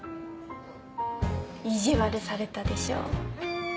意地悪されたでしょ。